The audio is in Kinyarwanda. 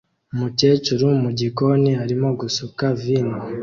Umukecuru mu gikoni arimo gusuka vino